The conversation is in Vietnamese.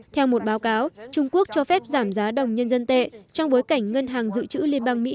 theo một báo cáo trung quốc cho phép giảm giá đồng nhân dân tệ trong bối cảnh ngân hàng dự trữ liên bang mỹ